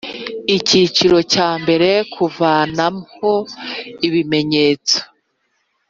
Icyiciro cya mbere Kuvanaho ibimenyetso